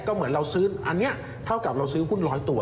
ก็เหมือนเราซื้ออันนี้เท่ากับเราซื้อหุ้นร้อยตัว